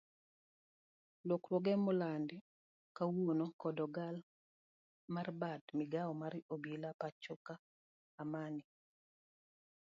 Lokruoge molandi kawuono kod ogai mar bad migao mar obila pachoka Amani.